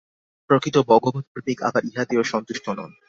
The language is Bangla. প্রকৃত ভগবৎ-প্রেমিক আবার ইহাতেও সন্তুষ্ট নন।